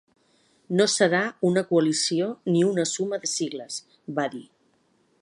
No serà una coalició ni una suma de sigles, va dir.